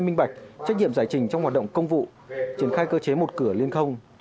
minh bạch trách nhiệm giải trình trong hoạt động công vụ triển khai cơ chế một cửa liên thông